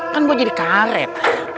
kan gue jadi karet